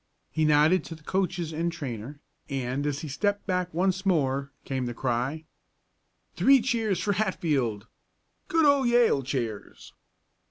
He nodded to the coaches and trainer, and as he stepped back once more came the cry: "Three cheers for Hatfield. Good old Yale cheers!"